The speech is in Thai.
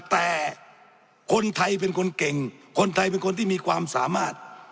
แต่คนไทยเป็นคนเก่งคนไทยเป็นคนที่มีความสามารถ